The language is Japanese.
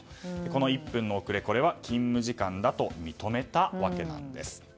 この１分の遅れは勤務時間だと認めたわけなんです。